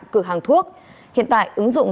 cửa hàng thuốc hiện tại ứng dụng